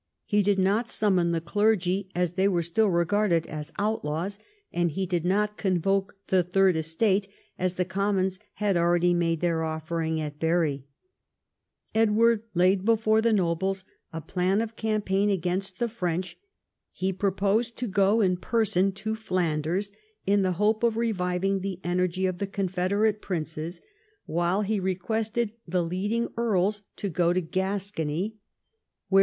He did not summon the clergy, as they were still regarded as outlaws ; and he did not convoke the third estate, as the commons had already made their offering at Bury. Edward laid before the nobles a plan of campaign against the French. He proposed to go in person to Flanders in the hope of reviving the energy of the confederate princes, Avhile he requested the leading earls to go to Gascony, where 194 EDWARD I chap.